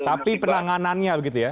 tapi penanganannya begitu ya